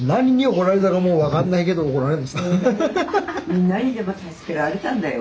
みんなにでも助けられたんだよ。